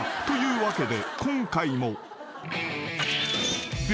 ［というわけで今回も］